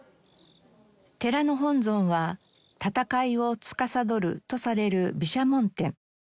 寺の本尊は戦いをつかさどるとされる毘沙門天。